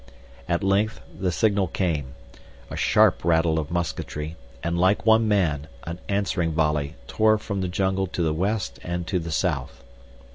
At length the signal came—a sharp rattle of musketry, and like one man, an answering volley tore from the jungle to the west and to the south.